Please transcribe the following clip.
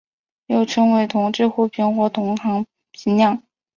又称为同侪互评或同行评量。